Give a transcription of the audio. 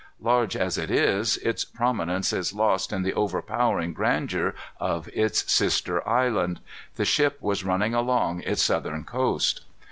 Large as it is, its prominence is lost in the overpowering grandeur of its sister island. The ship was running along its southern coast.